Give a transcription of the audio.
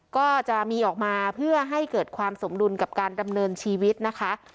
ก็จะมีออกมาเพื่อให้เกิดความสมดุลกับการดำเนินชีวิตนะคะ